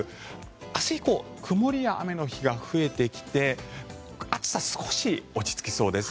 明日以降曇りや雨の日が増えてきて暑さは少し落ち着きそうです。